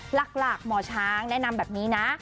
หลักหมอช้างแนะนำแบบนี้นะ